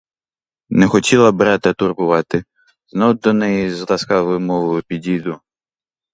Не хотіла брата турбувати; знов до неї з ласкавою мовою підійду.